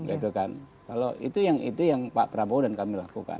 kalau itu yang pak prabowo dan kami lakukan